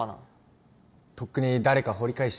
とっくに誰か掘り返したとか。